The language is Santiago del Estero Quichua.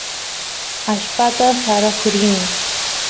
allpata saroq rini